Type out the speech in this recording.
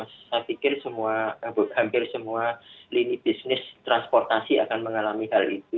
saya pikir hampir semua lini bisnis transportasi akan mengalami hal itu